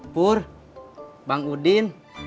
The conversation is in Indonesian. pur bang udin